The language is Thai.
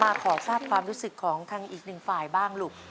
มาขอแฟฟความรู้สึกของตังค์อีกหนึ่งฝ่ายบ้างลุง